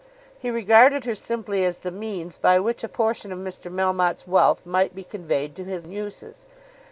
He regarded her simply as the means by which a portion of Mr. Melmotte's wealth might be conveyed to his uses.